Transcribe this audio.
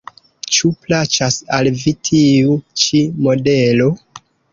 Ĉu plaĉas al vi tiu ĉi modelo?